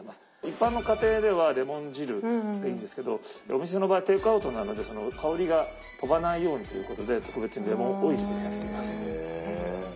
一般の家庭ではレモン汁でいいんですけどお店の場合テイクアウトなので香りが飛ばないようにということで特別にレモンオイルでやっています。